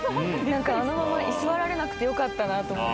あのまま居座られなくてよかったなと思って。